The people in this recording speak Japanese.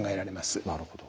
なるほど。